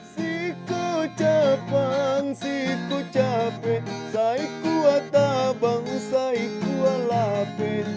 siku capang siku capek saiku atabang saiku alape